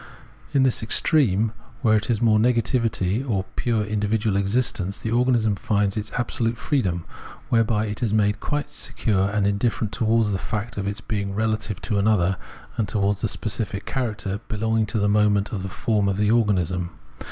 In this extreme where it is mere nega tivity, or pure individual existence, the organism finds its absolute freedom, whereby it is made quite se cure and indifferent towards the fact of its being rela tive to another and towards the specific character belonging to the moments of the form of the organism.